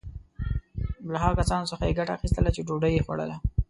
له هغو کسانو څخه یې ګټه اخیستله چې ډوډی یې خوړله.